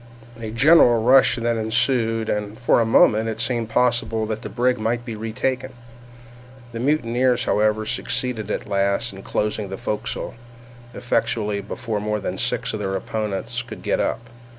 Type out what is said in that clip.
A general rush then ensued, and for a moment it seemed possible that the brig might be retaken. The mutineers, however, succeeded at last in closing the forecastle effectually before more than six of their opponents could get up.